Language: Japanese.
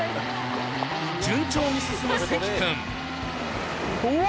順調に進む関君うわ！